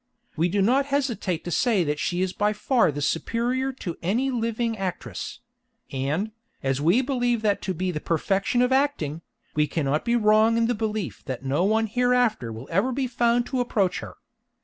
We do not hesitate to say that she is by far the superior to any living actress; and, as we believe that to be the perfection of acting, we cannot be wrong in the belief that no one hereafter will ever be found to approach her.